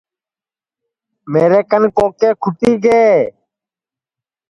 میرے کن کوکے کُھٹی گئے